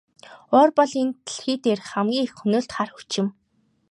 Уур бол энэ дэлхий дээрх хамгийн их хөнөөлт хар хүч юм.